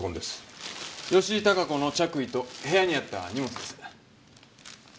吉井孝子の着衣と部屋にあった荷物です。